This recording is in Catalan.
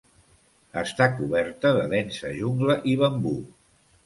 Està coberta de densa jungla i bambú.